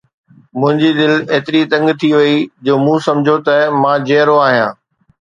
منهنجي دل ايتري تنگ ٿي وئي جو مون سمجهيو ته مان جيئرو آهيان